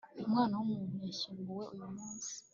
umwana w'umuntu yashyinguwe uyumunsi